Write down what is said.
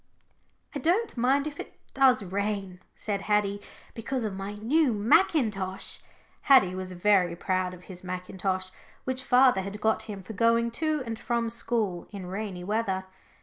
"I don't mind if it does rain," said Haddie, "because of my new mackintosh." Haddie was very proud of his mackintosh, which father had got him for going to and from school in rainy weather.